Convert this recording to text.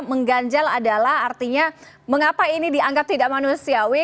mengganjal adalah artinya mengapa ini dianggap tidak manusiawi